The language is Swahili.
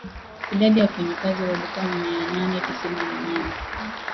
idadi ya wafanyakazi walikuwa mia nane tisini na nane